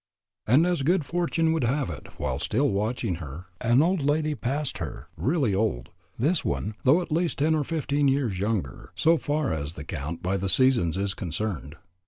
And as good fortune would have it, while still watching her, an old lady passed her, really old, this one, though at least ten or fifteen years younger, so far as the count by the seasons is concerned.